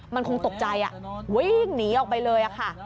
มันคงตกใจวิ่งหนีออกไปเลยค่ะ